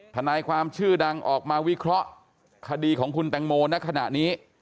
ทนายความชื่อดังออกมาวิเคราะห์คดีของคุณแตงโมในขณะนี้